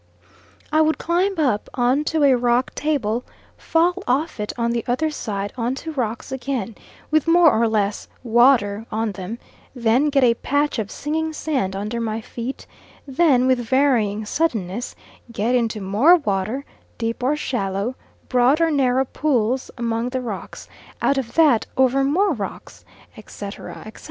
I would climb up on to a rock table, fall off it on the other side on to rocks again, with more or less water on them then get a patch of singing sand under my feet, then with varying suddenness get into more water, deep or shallow, broad or narrow pools among the rocks; out of that over more rocks, etc., etc., etc.